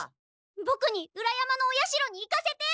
ボクに裏山のお社に行かせて！